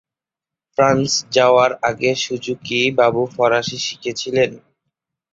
France যাওয়ার আগে Suzuki Babu ফরাসি শিখেছিলেন।